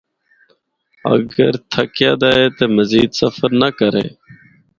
اگر تھکیا دا ہے تے مزید سفر نہ کرّے۔